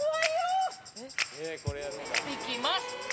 いきます。